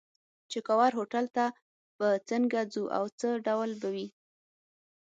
چې کاوور هوټل ته به څنګه ځو او څه ډول به وي.